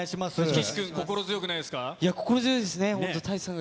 岸君、心強くないですか。